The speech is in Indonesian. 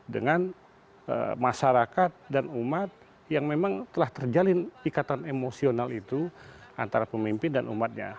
dengan masyarakat dan umat yang memang telah terjalin ikatan emosional itu antara pemimpin dan umatnya